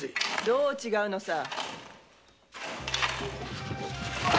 どう違うのさ！